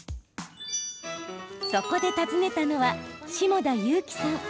そこで訪ねたのは下田友樹さん。